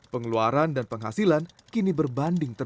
pengeluaran dan penghasilan kini berbanding